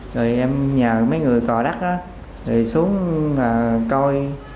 rồi em nhờ mấy người cò đắt thì xuống coi